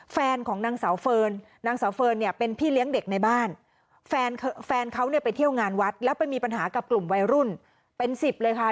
แฟนเขาเนี่ยไปเที่ยวงานวัดแล้วไปมีปัญหากับกลุ่มวัยรุ่นเป็นสิบเลยค่ะ